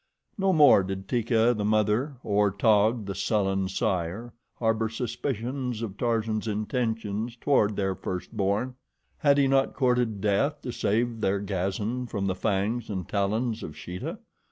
No more did Teeka, the mother, or Taug, the sullen sire, harbor suspicions of Tarzan's intentions toward their first born. Had he not courted death to save their Gazan from the fangs and talons of Sheeta?